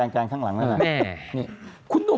แกงข้างหลังนั่นแหละ